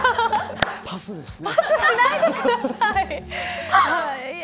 パスですね。